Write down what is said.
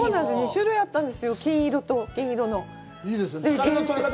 ２種類あったんですよ、金色と銀色の。